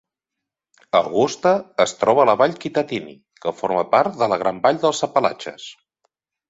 Augusta es troba a la vall Kittatinny, que forma part de la Gran Vall dels Apalatxes.